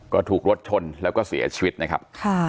ก็ถูกรถชนแล้วก็เสียชีวิตนะครับ